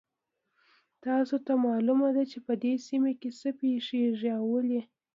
تاسو ته معلومه ده چې په دې سیمه کې څه پېښیږي او ولې